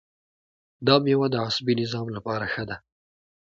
دا میوه د عصبي نظام لپاره ښه ده.